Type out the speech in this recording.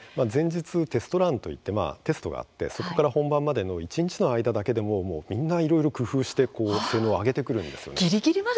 前日テストランといってテストがあってそこから本番までの一日の間でもみんないろいろ工夫して性能を上げてくるんですよ。